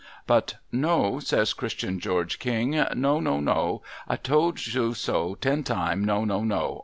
But, ' No,' says Christian George King. ' No, no, no ! Told you so, ten time. ' No, no, no